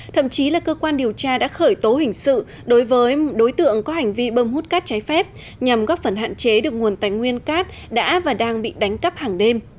thậm chí là cơ quan điều tra đã khởi tố hình sự đối với đối tượng có hành vi bơm hút cát trái phép nhằm góp phần hạn chế được nguồn tài nguyên cát đã và đang bị đánh cắp hàng đêm